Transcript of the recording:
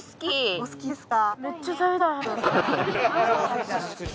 お好きですか。